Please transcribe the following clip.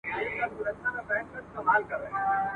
او ټول خوږ ژوند مي !.